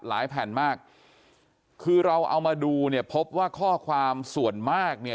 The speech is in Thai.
แผ่นมากคือเราเอามาดูเนี่ยพบว่าข้อความส่วนมากเนี่ย